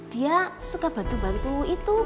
dia suka bantu bantu itu